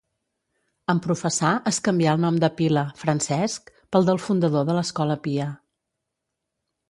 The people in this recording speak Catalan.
En professar es canvià el nom de pila, Francesc, pel del fundador de l'Escola Pia.